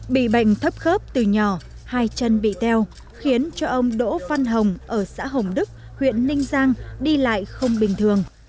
bị bệnh thấp khớp từ nhỏ hai chân bị teo khiến cho ông đỗ văn hồng ở xã hồng đức huyện ninh giang đi lại không bình thường